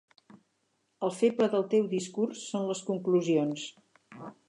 El feble del teu discurs són les conclusions.